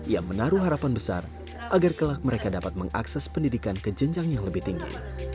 ia menaruh harapan besar agar kelak mereka dapat mengakses pendidikan ke jenjang yang lebih tinggi